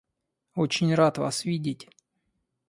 Очень рад вас видеть.